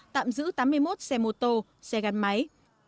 tạm giữ tám mươi một xe mô tô xe gắn máy